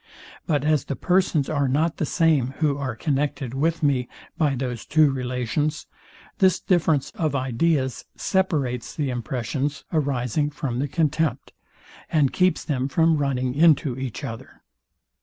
But as the persons are not the same, who are connected with me by those two relations, this difference of ideas separates the impressions arising from the contempt, and keeps them from running into each other.